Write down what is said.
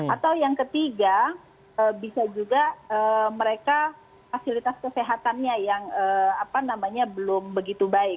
atau yang ketiga bisa juga mereka fasilitas kesehatannya yang belum begitu baik